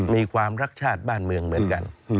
มีความรักชาติบ้านเมืองเหมือนกัน